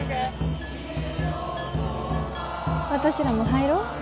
私らも入ろう。